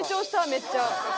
めっちゃ。